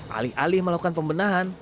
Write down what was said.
alih alih melakukan pembenahan